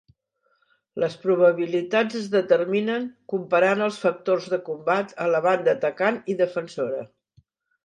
Les probabilitats es determinen comparant els factors de combat a la banda atacant i defensora.